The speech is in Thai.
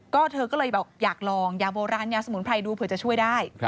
ก็เธอก็เลยบอกอยากลองยาโบราณยาสมุนไพรดูเผื่อจะช่วยได้